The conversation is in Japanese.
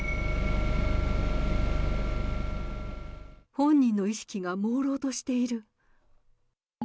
本人の意識がもうろうとしている。